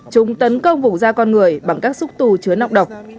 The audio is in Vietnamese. chúng tấn công vùng da con người bằng các xúc tù chứa nọc độc